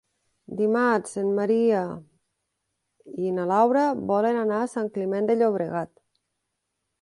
Dimarts en Maria i na Laura volen anar a Sant Climent de Llobregat.